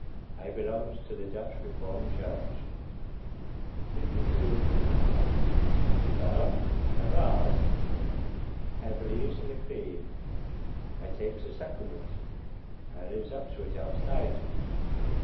I belongs to the Dutch Reform Church. (Do you think you were a good member?) Vell, I vas. I believes in the creed; I takes the sacrament; I lives up to it outside.